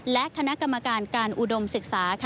และคณะกรรมการการอุดมศึกษา